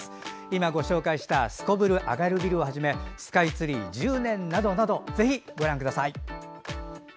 今ご紹介した「すこぶるアガるビル」をはじめ「スカイツリー１０年」などなどぜひご覧ください。